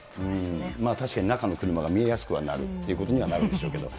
確かに中の車が見えやすくなるということにはなるでしょうけど。